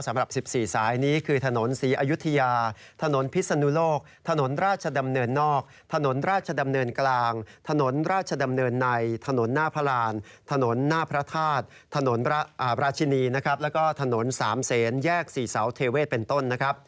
สำหรับ๑๔สายนี้คือถนนศรีอยุธยาถนนพิศนุโลกถนนราชดำเนินนอกถนนราชดำเนินกลางถนนราชดำเนินในถนนหน้าพระราณถนนหน้าพระธาตุถนนราชินีแล้วก็ถนน๓เซนแยก๔เสาเทเวศเป็นต้น